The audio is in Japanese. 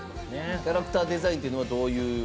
「キャラクターデザイン」というのは、どういう？